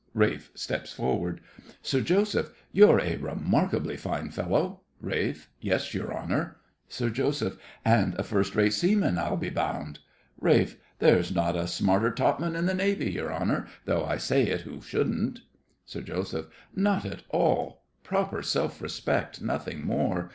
(RALPH steps forward.) SIR JOSEPH. You're a remarkably fine fellow. RALPH. Yes, your honour. SIR JOSEPH. And a first rate seaman, I'll be bound. RALPH. There's not a smarter topman in the Navy, your honour, though I say it who shouldn't. SIR JOSEPH. Not at all. Proper self respect, nothing more.